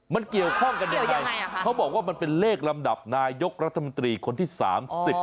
มันเกี่ยวข้องกันยังไงเขาบอกว่ามันเป็นเลขลำดับนายกรัฐมนตรีคนที่สามสิบ